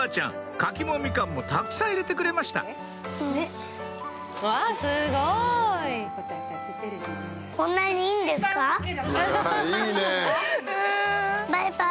柿もみかんもたくさん入れてくれましたバイバイ！